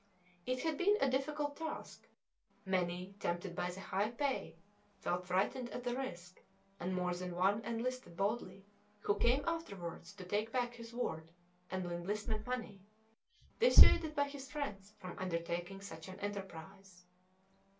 It had been a difficult task; many, tempted by the high pay, felt frightened at the risk, and more than one enlisted boldly who came afterwards to take back his word and enlistment money, dissuaded by his friends from undertaking such an enterprise.